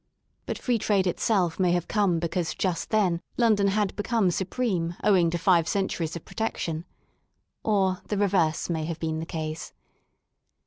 But Free Trade itself may have come because just then London had become supreme owing to five centuries of Protection* Or the reverse maj have been the case.